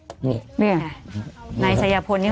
กรมป้องกันแล้วก็บรรเทาสาธารณภัยนะคะ